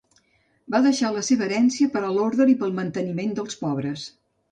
Va deixar la seva herència per a l'orde i per al manteniment dels pobres.